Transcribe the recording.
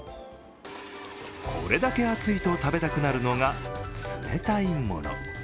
これだけ暑いと食べたくなるのが冷たいもの。